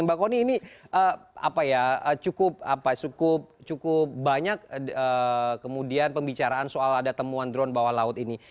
mbak kony ini cukup banyak kemudian pembicaraan soal ada temuan drone bawah laut ini